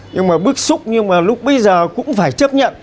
nhưng mà bức xúc nhưng mà lúc bây giờ cũng phải chấp nhận